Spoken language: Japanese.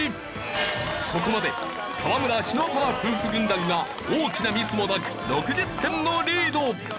ここまで河村＆篠原夫婦軍団が大きなミスもなく６０点のリード！